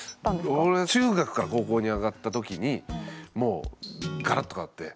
俺中学から高校に上がった時にもうガラッと変わって。